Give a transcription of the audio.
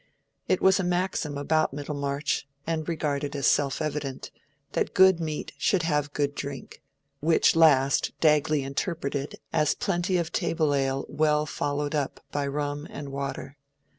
It was a maxim about Middlemarch, and regarded as self evident, that good meat should have good drink, which last Dagley interpreted as plenty of table ale well followed up by rum and water.